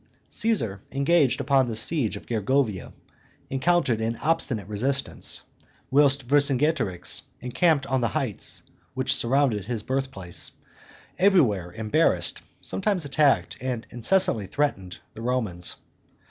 Caesar, engaged upon the siege of Gergovia, encountered an obstinate resistance; whilst Vercingetorix, encamped on the heights which surrounded his birthplace, everywhere embarrassed, sometimes attacked, and incessantly threatened the Romans.